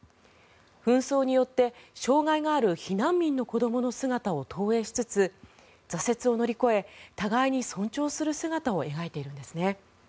紛争によって障害がある避難民の子どもの姿を投影しつつ挫折を乗り越え互いに尊重する姿を描いているんです。